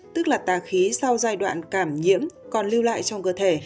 tức là tà khí sau giai đoạn cảm nhiễm còn lưu lại trong cơ thể